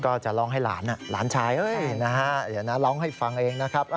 ก็จะร้องให้หลานหลานชายเอ้ยนะฮะเดี๋ยวนะร้องให้ฟังเองนะครับ